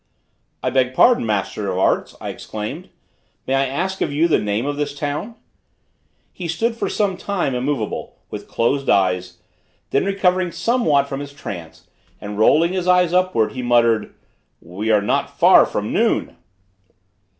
"I beg pardon, master of arts!" I exclaimed, "may I ask of you the name of this town?" He stood for some time immovable, with closed eyes; then recovering somewhat from his trance, and rolling his eyes upwards, he muttered: "We are not far from noon!"